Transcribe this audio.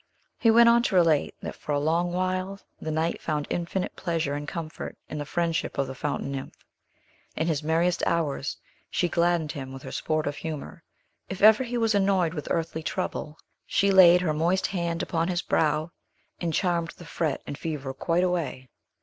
He went on to relate, that for a long While the knight found infinite pleasure and comfort in the friendship of the fountain nymph. In his merriest hours, she gladdened him with her sportive humor. If ever he was annoyed with earthly trouble, she laid her moist hand upon his brow, and charmed the fret and fever quite away.